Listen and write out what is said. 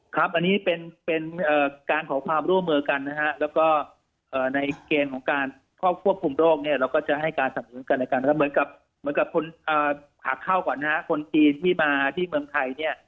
ครับอันนี้เป็นการขอความร่วมมือกันแล้วก็ในเกณฑ์ของการทอบควบคุมโรคนี่แล้วก็จะให้การสำนวนกันกัน